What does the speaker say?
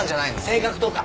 性格とか。